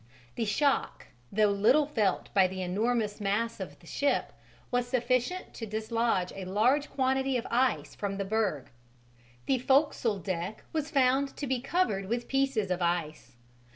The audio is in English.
The shock, though little felt by the enormous mass of the ship, was sufficient to dislodge a large quantity of ice from the berg: the forecastle deck was found to be covered with pieces of ice.